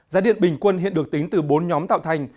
giá điện bình quân hiện được tính từ bốn nhóm tạo thành